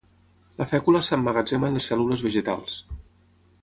La fècula s'emmagatzema en les cèl·lules vegetals.